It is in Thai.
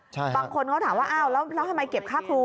บางคนเขาถามว่าอ้าวแล้วทำไมเก็บค่าครู